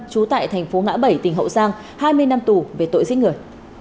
trú tại thành phố ngã bảy tỉnh hậu giang hai mươi năm tù về tội giết người